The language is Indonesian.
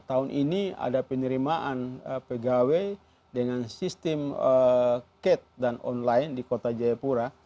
tahun ini ada penerimaan pegawai dengan sistem cat dan online di kota jayapura